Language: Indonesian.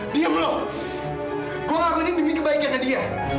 diam lu gua ngakutin demi kebaikan dia